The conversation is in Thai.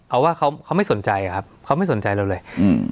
เอาว่าเขาไม่สนใจครับเขาไม่สนใจเราเลย